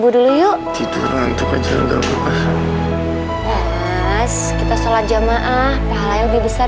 dulu yuk tidur nantuk aja enggak mas kita sholat jamaah pahala yang lebih besar